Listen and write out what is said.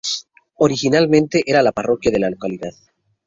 Originalmente era la parroquia de la localidad.